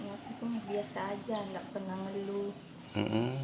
aku pun biasa saja tidak pernah ngeluh